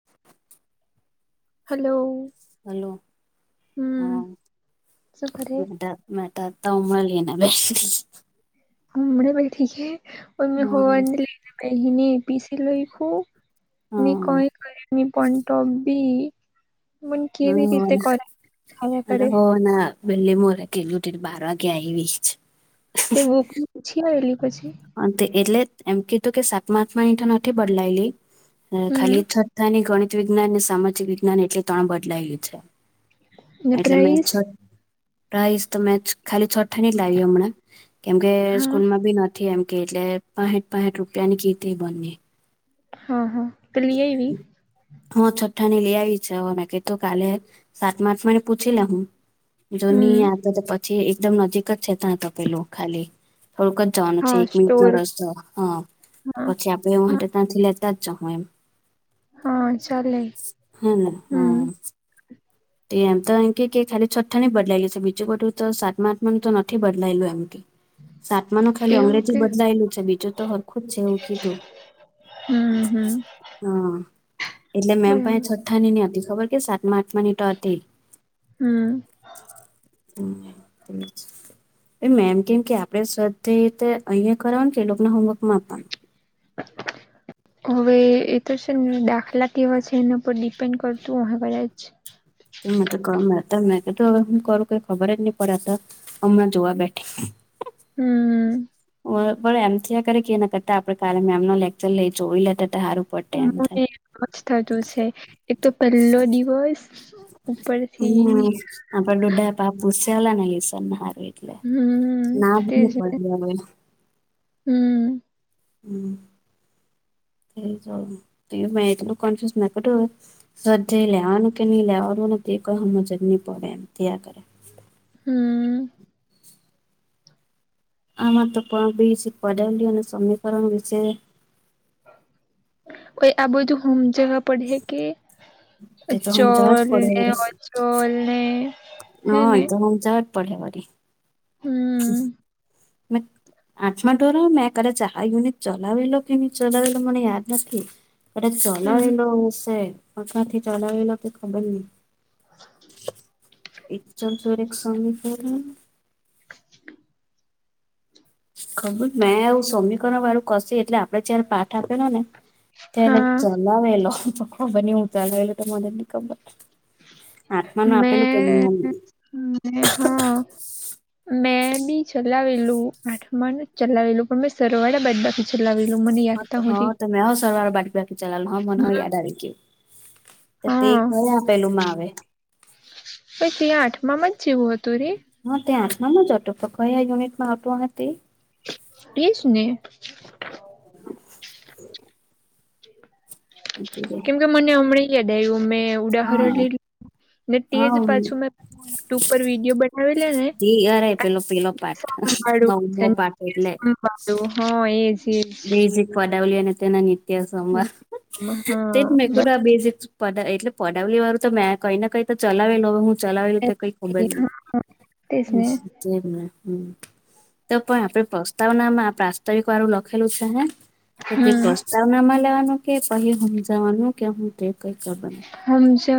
[inaudible] Hello. Hello, હમ હન શું કરે [unintelligible] મેતા અતારમ લિન આવ [unintelligible] હમણા બેઠી કે અન મે હવારની લઈને બેહીને એપીસી લઈખું. ની કઈ કરયુ ની પણ ટો બી મને [unintelligible] કેવી રીતે કર ખાયા અન કરે હવારના બંને મો લખેલું તેર બાર વાગે આઈ વી જ. તે બુક પૂછીન આઈલી પછી? હન, તે એટલે એમ કીધું કે સાતમા-આઠમાની તો નથી બદલાઈલી અ હમ ખાલી છઠાની ગણિત, વિજ્ઞાનને, સામાજિક વિજ્ઞાન એટલી ત્રણ બદલાઈલી છે. ને એટલે મે પ્રાઇસ છઠ રાઈશ તો મે ખાલી છઠ્ઠાની જ લાઈવી હમણાં. કેમ કે હા સ્કૂલમાં બી નથી એમ કે એટલે પાહઠ-પાહઠ રૂપિયાની કીધી મને. હા, હા તો લી આઈવી? હન, છઠ્ઠાની લી આઈવી છે, હવ મે કીધું કાલે સાતમાં-આઠમાંની પૂછી લે હું. જૂની હમ આ તો તો પછી એકદમ નજીક જ છે ત્યાં તો પેલું ખાલી. થોડુંક જ જવાનું છે હા એક મિનિટનો સ્ટોર રસ્તો, હન તો હા પછી આપ ની હોય હા તો તાથી લેતા જ જાહુ એમ. હા ચાલે હે ને હમ્મ. હા તે એમ તો એમ કે ખાલી છઠ્ઠા ની બદલાયેલી છે બીજું બધું તો સાત માં આઠમા તો નથી બદલાયેલું એમ કેય. સાતમા ન ખ્યાલ એવું અંગ્રેજી કે બદલાયેલું છે બીજું તો હરખું જ છે એવું કીધું. હમ્મ હમ્મ હા એટલે મેમ પણ એ છઠ્ઠા ની નની હતી ખબર કે સાતમા આઠમા ની તો અતી. હમ એ મે એમ કેમ કે આપણે સ્વાધ્યાય રીતે અહિયા કરવાનું કે એ લોકોને હોમવર્ક માં આપવાનું. હવે એ તો છે ને દાખલા કેવા છે એના પરર ડિપેન્ડ કરતું અહી કદાચ તો ક મે હ હું કરુંઈ ખબર જ નહી પડે તો હમણાં જોવા બેઠી. હમ્મ. પણ એમથી કરે કે એ કરતાડ કલે મે એમનો લેકચર લઈ જોઈ લેતા હતા સારું. મનેજ થતું છે એક તો પહેલો દિવોસ. હમ આપ દોડા પાપુ સલા ન સ હાર એટલે હમ નાભ તેજ હી ને પડે હવે. હમ હમ તટ કોન્ફ્યસ મેં કીધું સ્વાધ્યાય લેવાનું કે નહીં લેવાનુ અને તે કંઈ સમજ જ નહીં પડે તે થીયા કરે. હમ્મ. આમાં તો પણ બ પદાલલી અને સમીકરણ વિશે ગયા બધું હમજાવ્યા પઢહે‌ કે તે તો સમજાવા જ પડે ચલને વળી. અચલ ને. હે હા એ તો હમજાવવા જ પડહે વરી. હમ્મ. મે આઠમા ધોરણ મેં કરે ચાર યુનિટ ચલાવેલો કે નહી ચલાવેલો મને યાદ નથી. અરે હમ ચલાવેલો હશે આખાથી ચલાવેલો તો ખબર નહી. એકર એક સંગીત ખબર મે આવું સમીકરણ વાળું કશે એટલે આપડે જ્યારે પાક આપેલો ને ત હા ચલાવેલો. ખબર નેવું ચાલેવેલું તો મને ખબર આત્માનું આપેલું કેની. હમ હા. મેં બી ચલાવેલું આઠમાનુ ચલાવેલું પણ મેં સરવાળા બાદબાકી ચલાવેલું મને યાદ તા હુધી હતો મેં હો સરવાળા બાદબાકી ચલાવેલું મને યાદ આવી ગયું. તે હા કયા આપેલું માં આવે. પછી ત્યા આઠમાં જ જેવું હતું રે. હ ત્યાં આઠમા જ હતું કયા યુનિટ માં આવતું અહે તે તેજને એટલે કે મને હમણાં યાદ આવીયુ મે ઉદાહરણ હા લઈ લ ને તે હા જ પાછું મેં યુટ્યુબ પર વિડીયો બનાવેલા ને તે અરે પેલો પેલો પાઠ સાંભાળું નવમો પાઠ એટલે સાભળું હા એજ એજ પડબલ્યુ એ તેના નિત્ય સમર તે મેં બેઝિક પ એટલે પડાવલી વાળું તો મેં કઈને કઈ તો ચલાવેલ હું ચલાવેલું તો કઈ ખબર એજ નહી હા હા તેજ ને હ. હ તો પણ આપણે પ્રસ્તાવનામાં પ્રસ્તાવિક રું લખેલું છે હ તો તે હમ પ્રસ્તાવનામા લેવાનું કે પછ હમજાવાનુ. કેમુંતે કઈ કરવાનું હમ છે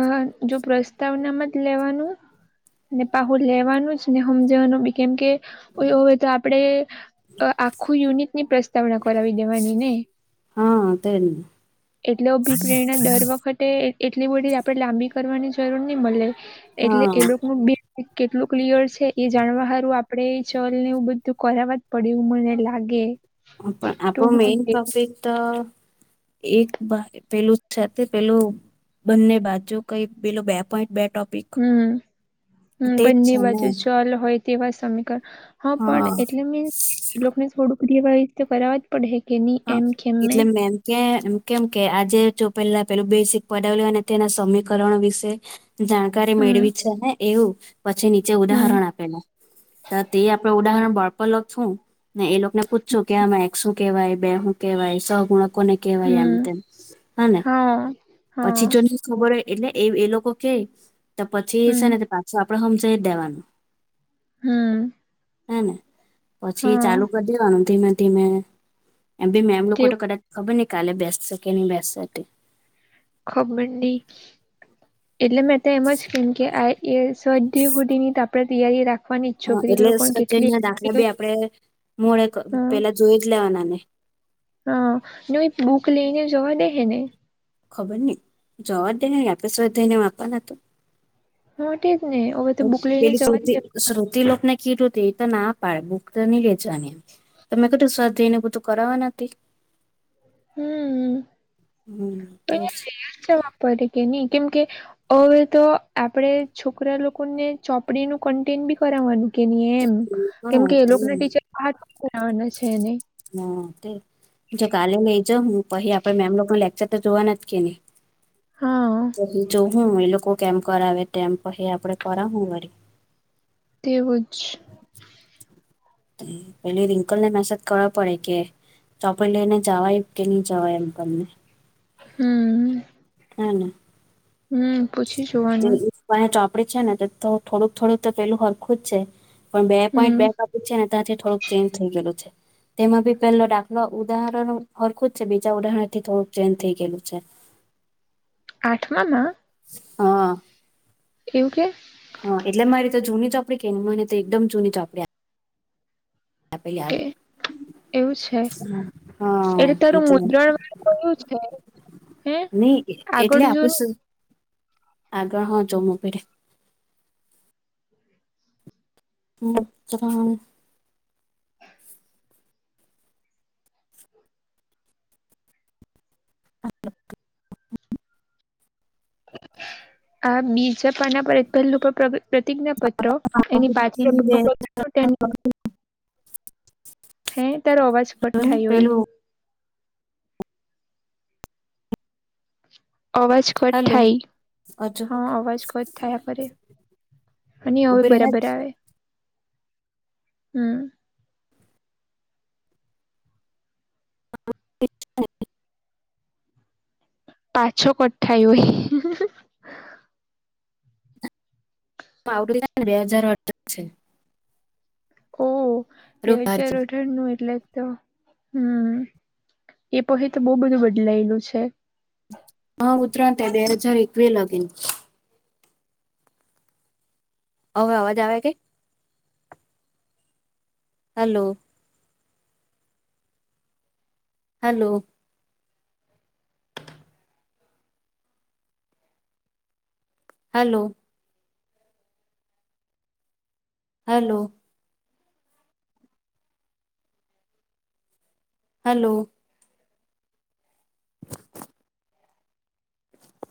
જો પ્રસ્તાવનામાં જ લેવાનું. અને પહુ લેવાનું જ ને સમજવાનું બી કેમ કે હોય તો આપડે અ આખું યુનિટની પ્રસ્તાવના કરાવી દેવાની ને હા તેને એટલે અભિપ્રેરણા દર વખત એટલી બધી આપડે લાંબી કરવાની જરૂર ની મળે એટલે એ હા લોકો કેટલું ક્લિયર છે એ જાણવા હારું આપ આપડે ચલ ને એવું બધું કરવા જ પડે એ મને લાગે પણ આપો તું હું મેઇન કે પ્રોફિક તો એક પેલું છે પેલું બંને બાજુ કઈ પેલો બે પોઈન્ટ બે ટોપિક હમ હ તેજ બંને છે ને બાજુ ચલ હોય તેવા સમીકરણ હા પણ એટલે મીન્સ લોકોને થોડુંક દેવાળી રીતે કરાવ જ પડે કે નહી હા એમ કેમને એટલે મેમ કે કેમ કે આજે જો પેલા પેલું બેસિક પડાવે લુ અને તેના સમીકરણ વિશે જાણકારી હમ મેળવી છે ને એવું પછી નીચે હમ ઉદાહરણ આપેલા તો તે આપડે ઉદાહરણ બોર્ડ પલગ છું ને એ લોકોને પૂછ છું, કે આમાં એક શું કેવાય બે શું કેવાય સગુણક લોકોને કેવાય એમ હમ તેમ હા પછી જો. ખબર હોય એટલે એ લોકો કે તો પછી એ હમ છે, ને પાછો આપણે હમશે જ દેવાનું હમ્મ. હે ને પછી ચાલુ કરી દેવાનું ધીમે ધીમે, એમ ભી મેમ લોકો તો તેવું કદાચ ખબર ને કાલે બેસશેકે નહી બેસશે,, ખબરની, એટલે મેં તો એમ જ કેમ કે આ એ સ્વાધ્યાયપોથી ની આપણેે તૈયારી રાખ, હા એટલે સ્વાધ્યાયના દાખલા બી આપણે મોળે પેલા જોઈ જ લેવાના ને. હ નઈ બુક લઈ ને જવા દે હે ને? ખબર નઈ જવા દઈ ને આપણે સ્વાધ્યાય જઈને આપવાના હત મોટી જ ને? હવે તો બુક લઈને પેલી શ્રો જવા દે શ્રોતી લોકને કીટોતી એ તો ના પાડે બુક તો ની લઈ જવાની, તમે કધું સ્વાધાયને બધું કરાવવા નથી, હમ હમ તેજ પણ જવા પડે કે નહી કેમ કે, હવે તો આપડે છોકરા લોકોને ચોપડીનું કન્ટેન બી કરાવવાનું, કે એમ કેમ હા કે એ તે લોકોને ટીચર આ કરાવાના છે એને, હા તે જો કાલે લઈ જા હું પછી આપડે મેમ લોકો લેક્ચર તો જોવાના જ કે નહી, હા પછી જો હું એ લોકો કેમ કરાવે તેમ પછી આપડે કરાવું વરી, તેવું જ, પેલી રિંકલ મે શ, કરવા પડે કે ચોપડી લઈને જવાય કે નહી જવાય એમ અમને, હમ, હમ, હમ પૂછી જોવાનું, અહીંયા ચોપડી છે ને તો થોડુંક થોડુંક તો પેલું હરખું જ છે. પણ બે પોઈન્ટ બે હમ ક છે ને ત્યાંથી થોડુંક ચેન્જ થઈ ગયલું છે. તેમાં ભ પહેલો દાખલો ઉદાહરણ હરખું જ છે બીજા ઉદાહરણ થી થોડુંક ચેન્જ થઇ ગયેલું છે. આઠમામાં? હા. એવું કે? હા એટલે મારી તો જૂની ચોપડી કે ને મને તો એકદમ જૂની ચપડી. આપ આપેલી આગ, એ એવું છે એલે તારું એટલે મુદ્રણ વાળ તોયું છે, હે નહી એટલે આગળ જો આપું ને આગળ હ જોમ પેડે, મચછ [inaudible] અ [unintelligible] આ બીજા પાના પર પહેલું પ્રતિજ્ઞા પત્ર? એની પાછળ બ [unintelligible] હે તારો અવાજ કટ થયો ઈ. પેલું અવાજ કટ હલો થાય હજુ હા ઓકે અવાજ કટ થયા કરે. અને હવે ઉભી બરાબર આવે. હમ. હા [unintelligible] પાછો કટ થયો ઈ. આવડ થાય ને બે હજાર અ છે. ઓ બે હજાર. હા નું એટલે તો હમ એ પછ તો બહુબધું બદલાયેલું છે. હા ઉતરાંત દેઢ હજાર એકવી લગીન. હવે આવાજ આવે છે. Hello. Hello. Hello. Hello. Hello. [inaudible]